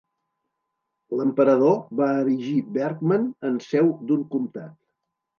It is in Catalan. L'emperador va erigir Bèrgam en seu d'un comtat.